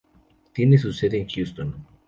Tiene su sede en Houston.